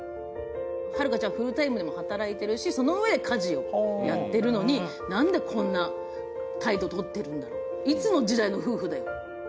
榛花ちゃんフルタイムで働いているしそのうえ、家事をやってるのに、なんでこんな態度とってるの、いつの時代の夫婦だよ。